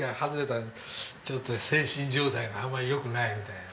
ちょっと精神状態があんまり良くないみたいやね。